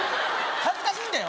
恥ずかしいんだよ。